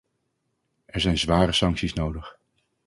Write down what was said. Er zijn zware sancties nodig.